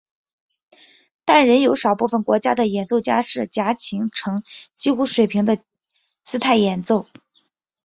但仍有少部分国家的演奏家是夹琴呈几乎水平的姿态演奏。